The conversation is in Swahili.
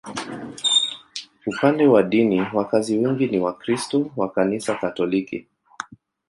Upande wa dini, wakazi wengi ni Wakristo wa Kanisa Katoliki.